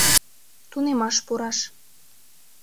Тунемаш пураш...